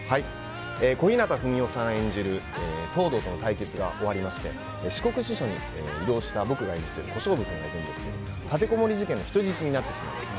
小日向文世さん演じる藤堂との対決が終わりまして四国支所に異動した、僕が演じる小勝負君がいるんですが立てこもり事件の人質になってしまいます。